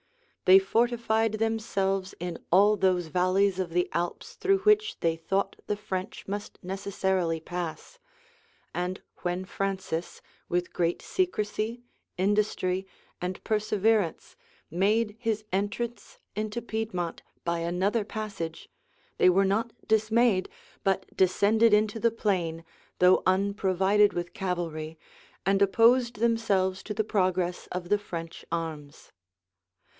[*] They fortified themselves in all those valleys of the Alps through which they thought the French must necessarily pass; and when Francis, with great secrecy, industry, and perseverance, made his entrance into Piedmont by another passage, they were not dismayed, but descended into the plain, though unprovided with cavalry, and opposed themselves to the progress of the French arms.